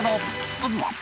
まずは。